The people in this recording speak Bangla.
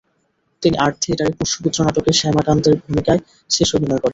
তিনি আর্ট থিয়েটারে 'পোষ্যপুত্র' নাটকে 'শ্যামাকান্ত'-র ভূমিকায় শেষ অভিনয় করেন।